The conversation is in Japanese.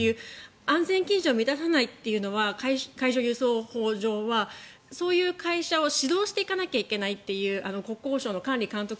安全基準を満たさないというのは海上輸送法上ではそういう会社を指導していかなければいけないという国交省の管理監督